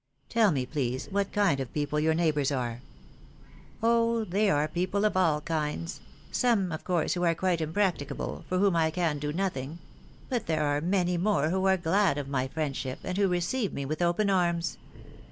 Tell me, please, what kind of people your neighbours are." THE DAY WILL COME. 2 7 I "Oh, there are people of all kinds, some of course who are quite impracticable, for whom I can do nothing; but there are many more who are glad of my friendship, and who receive me with open arms.